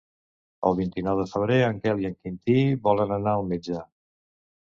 El vint-i-nou de febrer en Quel i en Quintí volen anar al metge.